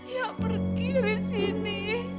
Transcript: ia pergi dari sini